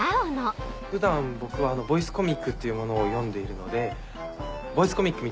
普段僕はボイスコミックっていうものを読んでいるので。